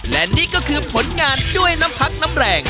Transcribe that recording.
และนี่ก็คือผลงานด้วยน้ำพักน้ำแรง